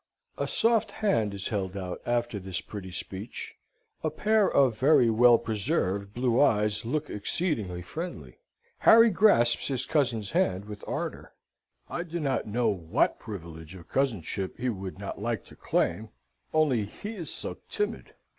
A soft hand is held out after this pretty speech, a pair of very well preserved blue eyes look exceedingly friendly. Harry grasps his cousin's hand with ardour. I do not know what privilege of cousinship he would not like to claim, only he is so timid.